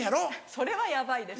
それはヤバいです。